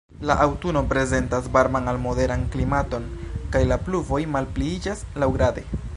La aŭtuno prezentas varman al moderan klimaton, kaj la pluvoj malpliiĝas laŭgrade.